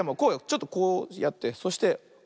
ちょっとこうやってそしておとす。